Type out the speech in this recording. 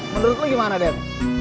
menurut lu gimana det